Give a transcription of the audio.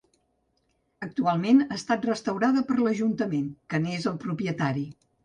Actualment ha estat restaurada per l'ajuntament que n'és el propietari.